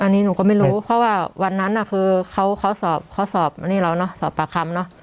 อันนี้หนูก็ไม่รู้เพราะว่าวันนั้นคือเขาสอบปากคำ